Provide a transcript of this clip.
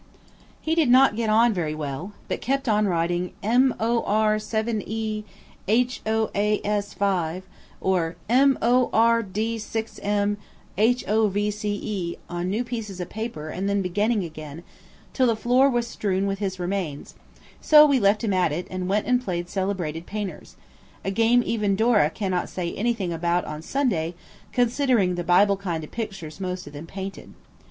He did not get on very well, but kept on writing MOR7E HOAS5 or MORD6M HOVCE on new pieces of paper and then beginning again, till the floor was strewn with his remains; so we left him at it, and went and played Celebrated Painters–a game even Dora cannot say anything about on Sunday, considering the Bible kind of pictures most of them painted.